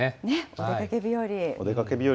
お出かけ日和。